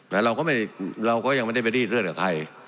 แต่เราก็ยังไม่ได้ไปรีดเลือกกับใคร